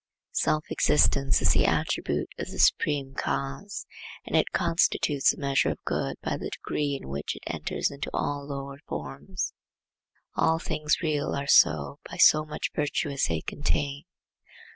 Self existence is the attribute of the Supreme Cause, and it constitutes the measure of good by the degree in which it enters into all lower forms. All things real are so by so much virtue as they contain.